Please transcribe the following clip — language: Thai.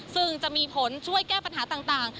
ซึ่งจะมีผลช่วยแก้ปัญหาต่าง